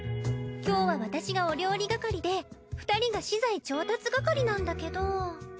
今日は私がお料理係で２人が資材調達係なんだけど。